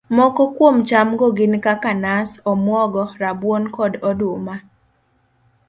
Moko kuom cham go gin kaka nas, omuogo, rabuon, kod oduma